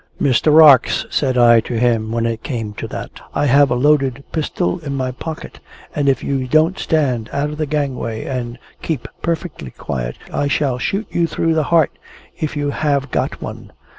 "Mr. Rarx," said I to him when it came to that, "I have a loaded pistol in my pocket; and if you don't stand out of the gangway, and keep perfectly quiet, I shall shoot you through the heart, if you have got one."